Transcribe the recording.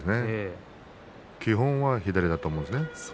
基本は左だと思うんですね。